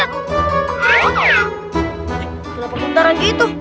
kenapa muntah lagi itu